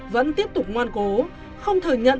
vẫn tiếp tục ngoan cố không thừa nhận